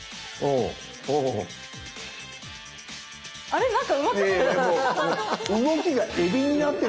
あれ何かうまくなった？